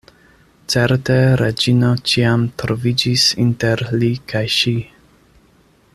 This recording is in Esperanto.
Certe Reĝino ĉiam troviĝis inter li kaj ŝi.